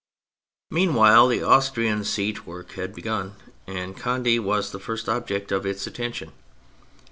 Meanwhile, the Austrian siege work had begun, and Conde was the first object of its attention.